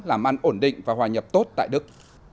làm ăn ổn định và hòa nhập tốt tại đức